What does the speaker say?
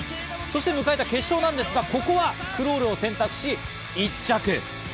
そして迎えた決勝なんですが、ここはクロールを選択し、１着。